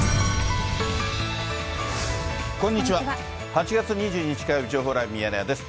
８月２２日火曜日、情報ライブミヤネ屋です。